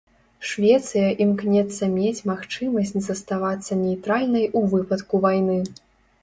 Швецыя імкнецца мець магчымасць заставацца нейтральнай ў выпадку вайны.